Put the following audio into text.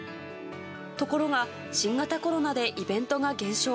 ところが、新型コロナでイベントが減少。